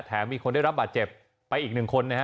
มีคนได้รับบาดเจ็บไปอีกหนึ่งคนนะฮะ